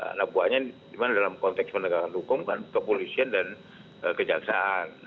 anabuannya dimana dalam konteks penegakan hukum kan kepolisian dan kejaksaan